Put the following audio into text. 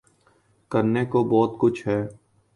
کرنے کو بہت کچھ ہے۔